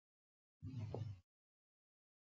غول د غلط خوړو غبرګون دی.